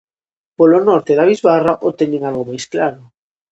Polo norte da bisbarra o teñen algo máis claro.